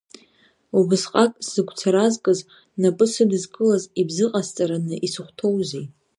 Убысҟак сыгәцаразкыз, напы сыдызкылаз, ибзыҟасҵараны исыхәҭоузеи?